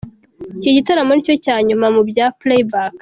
Iki gitaramo nicyo cya nyuma mu bya ‘Playback’.